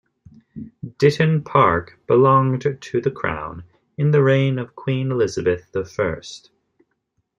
Ditton Park belonged to the crown in the reign of Queen Elizabeth the First.